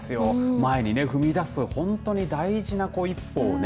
前に踏み出す大事な一歩をね